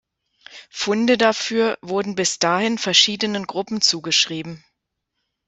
Funde dafür wurden bis dahin verschiedenen Gruppen zugeschrieben.